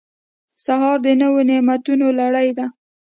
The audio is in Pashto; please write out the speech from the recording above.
سهار د نوي نعمتونو لړۍ ده.